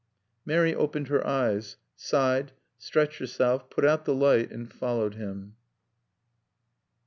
Mary opened her eyes, sighed, stretched herself, put out the light, and followed him.